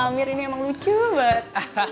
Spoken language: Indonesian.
amir ini emang lucu banget